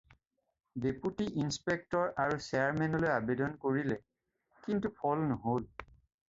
Deputy inspector আৰু শ্বেয়াৰমেনলৈ আবেদন কৰিলে, কিন্তু ফল নহ'ল।